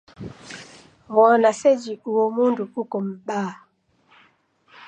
Wona seji uo mundu uko m'baa